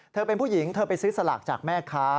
เธอเป็นผู้หญิงเธอไปซื้อสลากจากแม่ค้า